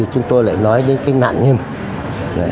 chúng tôi lại nói đến cái nạn nhân